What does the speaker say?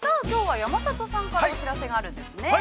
きょうは、山里さんからお知らせがあるんですね。